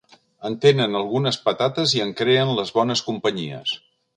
En tenen algunes patates i en creen les bones companyies.